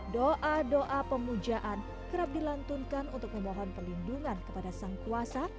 doa doa pemujaan kerap dilantunkan untuk memohon perlindungan kepada sang kuasa